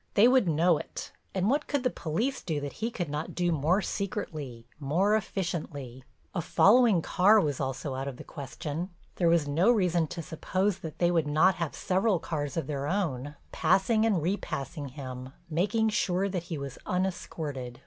They would know it, and what could the police do that he could not do more secretly, more efficiently? A following car was also out of the question. There was no reason to suppose that they would not have several cars of their own, passing and repassing him, making sure that he was unescorted.